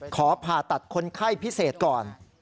ขอผ่าตัดคนไข้พิเศษก่อน